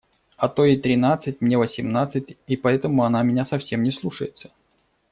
А то ей тринадцать, мне – восемнадцать, и поэтому она меня совсем не слушается.